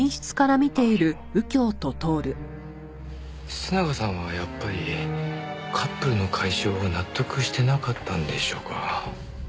須永さんはやっぱりカップルの解消を納得してなかったんでしょうか？